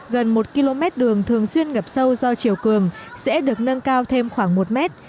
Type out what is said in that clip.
gần một km đường thường xuyên ngập sâu do chiều cường sẽ được nâng cao thêm khoảng một mét